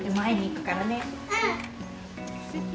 うん。